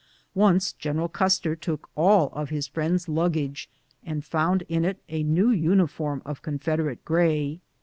Once General Custer took all of his friend's luggage, and found in it a new uniform coat of Confederate gray.